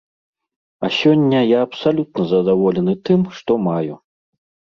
А сёння я абсалютна задаволены тым, што маю.